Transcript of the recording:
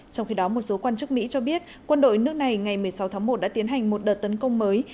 trong khi đó một số quan chức mỹ cho biết quân đội nước này ngày một mươi sáu tháng một đã tiến hành một đợt tấn công mới